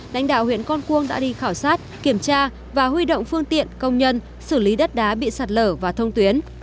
lãnh đạo huyện con cuông đã đi khảo sát kiểm tra và huy động phương tiện công nhân xử lý đất đá bị sạt lở và thông tuyến